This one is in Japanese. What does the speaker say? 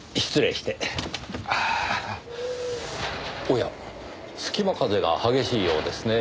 おや隙間風が激しいようですね。